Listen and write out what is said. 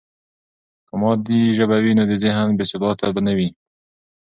که مادي ژبه وي، نو د ذهن بې ثباتي به نه وي.